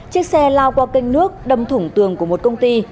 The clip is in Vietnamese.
chiếc xe lao qua kênh nước đâm thủng tường của một công ty